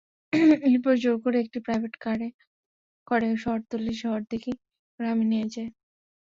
এরপর জোর করে একটি প্রাইভেট কারে করে শহরতলির শহরদীঘি গ্রামে নিয়ে যায়।